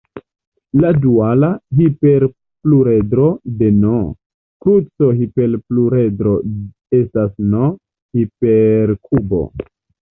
La duala hiperpluredro de "n"-kruco-hiperpluredro estas "n"-hiperkubo.